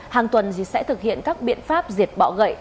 hàng tuần sẽ thực hiện các biện pháp diệt bọ gậy